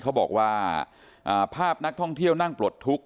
เขาบอกว่าภาพนักท่องเที่ยวนั่งปลดทุกข